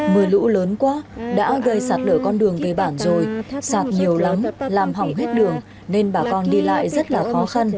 mưa lũ lớn quá đã gây sạt lở con đường về bản rồi sạt nhiều lắm làm hỏng hết đường nên bà con đi lại rất là khó khăn